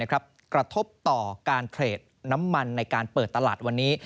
กระทบต่อการเทรดน้ำมันในการเปิดตลาดวันนี้